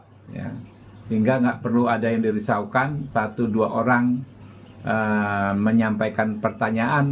sehingga nggak perlu ada yang dirisaukan satu dua orang menyampaikan pertanyaan